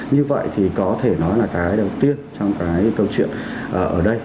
như vậy thì có thể nói là cái đầu tiên trong cái câu chuyện ở đây